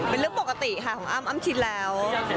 เป็นเรื่องปกติค่ะของอ้ำอ้ำชินแล้ว